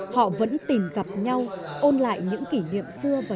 họ vẫn tìm gặp nhau ôn lại những kỷ niệm xưa